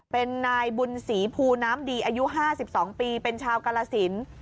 เป็นนายบุญศรีภูน้ำดีอายุ๕๒ปีเป็นชาวกาลสิน